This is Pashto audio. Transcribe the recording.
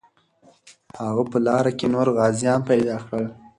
هغه په لاره کې نور غازیان پیدا کړل.